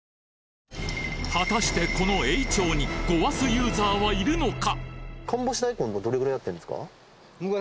果たしてこの頴娃町にごわすユーザーはいるのか？